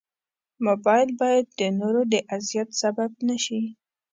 موبایل باید د نورو د اذیت سبب نه شي.